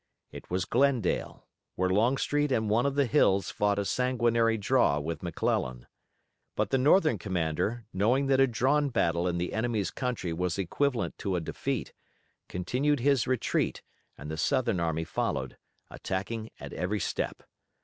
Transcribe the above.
It was Glendale, where Longstreet and one of the Hills fought a sanguinary draw with McClellan. But the Northern commander, knowing that a drawn battle in the enemy's country was equivalent to a defeat, continued his retreat and the Southern army followed, attacking at every step.